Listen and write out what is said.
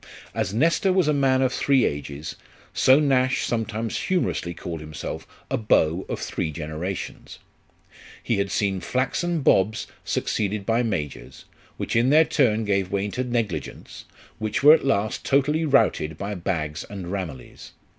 As Nestor was a man of three ages, so Nash sometimes humorously called himself a beau of three generations. He had seen flaxen bobs succeeded by majors, which in their turn gave way to negligents, which were at last totally routed by bags and ramilies.